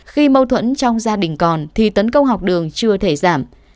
khi mâu thuẫn trong gia đình còn thì tấn công học đường chưa thể giảm